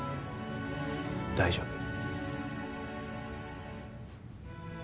大丈夫。